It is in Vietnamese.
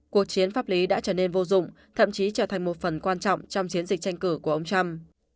cuộc chiến pháp lý đã trở nên vô dụng thậm chí trở thành một phần quan trọng trong chiến dịch tranh cử của ông trump